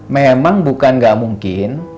memang bukan gak mungkin